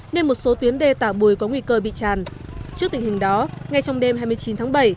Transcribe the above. nên một số tuyến đê tả bùi có nguy cơ bị tràn trước tình hình đó ngay trong đêm hai mươi chín tháng bảy